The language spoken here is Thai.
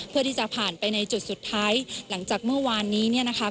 เพื่อที่จะผ่านไปในจุดสุดท้ายหลังจากเมื่อวานนี้เนี่ยนะคะ